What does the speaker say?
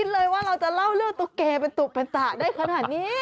เลยว่าเราจะเล่าเรื่องตุ๊กแก่เป็นตุเป็นตะได้ขนาดนี้